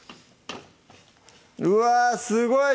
うわすごい！